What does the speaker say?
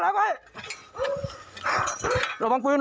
ระวังแวะ